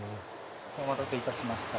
お待たせいたしました。